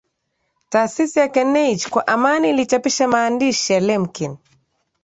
taasisi ya carnegie kwa amani ilichapisha maandishi ya Lemkin